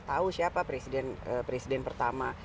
tahu siapa presiden pertama